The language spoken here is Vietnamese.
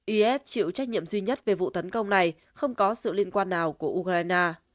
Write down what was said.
is chịu trách nhiệm duy nhất về vụ tấn công này không có sự liên quan nào của ukraine